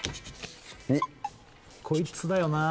こいつだよなあ